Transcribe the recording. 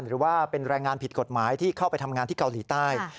หรือว่าเป็นแรงงานผิดกฎหมายที่เข้าไปทำงานที่เกาหลีใต้